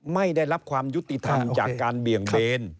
ไม่ได้รับความยุติธรรมจากการเบี่ยงเบน